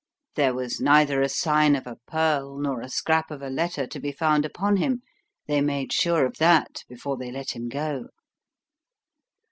There was neither a sign of a pearl nor a scrap of a letter to be found upon him they made sure of that before they let him go.